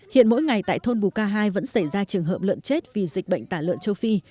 hiện mỗi ngày tại thôn bù ca hai vẫn xảy ra trường hợp lợn chết vì dịch bệnh tả lợn châu phi